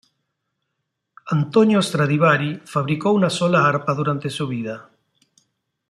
Antonio Stradivari fabricó una sola arpa durante su vida.